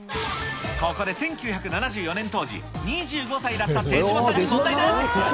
ここで１９７４年当時、２５歳だった手嶋さんに問題です。